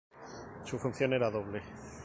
Su función era doble.